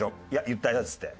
言ったやつって。